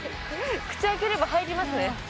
口開ければ入りますね。